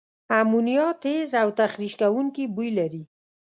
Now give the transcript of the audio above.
امونیا تیز او تخریش کوونکي بوی لري.